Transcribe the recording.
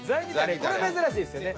これ珍しいですよね。